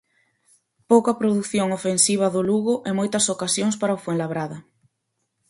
Pouca produción ofensiva do Lugo e moitas ocasións para o Fuenlabrada.